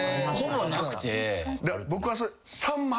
僕は。